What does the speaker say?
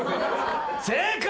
正解！